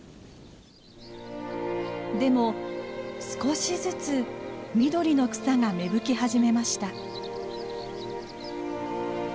でも少しずつ緑の草が芽吹き始めました。